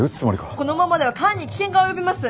このままでは艦に危険が及びます。